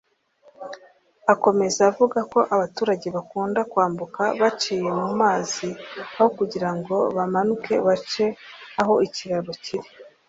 Akomeza avuga ko abaturage bakunda kwambuka baciye mu mazi aho kugirango bamanuke bace aho ikiriraro kiri